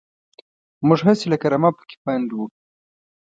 موږ هسې لکه رمه پکې پنډ وو.